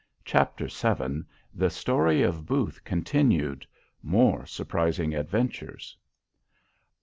Chapter vii. _The story of Booth continued. More surprising adventures.